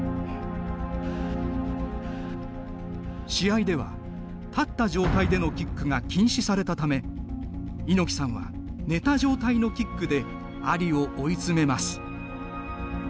試合では、立った状態でのキックが禁止されたため猪木さんは、寝た状態のキックでアリを追い詰めます。